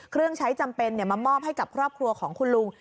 เครื่องใช้จำเป็นมามอบให้กับครอบครัวของคุณลุง